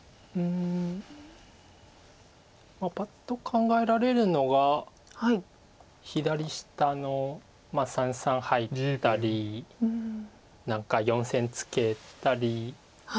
パッと考えられるのが左下の三々入ったり何か４線ツケたり。